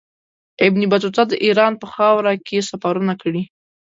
ابن بطوطه د ایران په خاوره کې سفرونه کړي.